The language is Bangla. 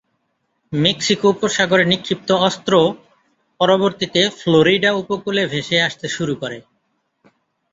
মেক্সিকো উপসাগরে নিক্ষিপ্ত অস্ত্র পরবর্তিতে ফ্লোরিডা উপকূলে ভেসে আসতে শুরু করে।